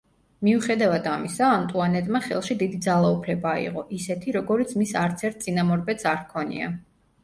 მიუხედავად ამისა, ანტუანეტმა ხელში დიდი ძალაუფლება აიღო, ისეთი როგორიც მის არცერთ წინამორბედს არ ჰქონია.